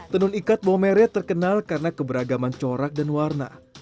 tenun ikat bawamere terkenal karena keberagaman corak dan warna